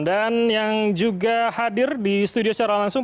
dan yang juga hadir di studio secara langsung